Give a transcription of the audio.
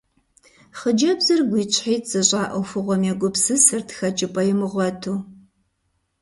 Хъыджэбзыр гуитӀщхьитӀ зыщӏа ӏуэхугъуэм егупсысырт, хэкӏыпӏэ имыгъуэту.